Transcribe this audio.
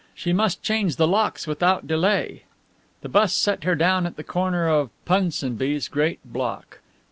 She must change the locks without delay. The bus set her down at the corner of Punsonby's great block.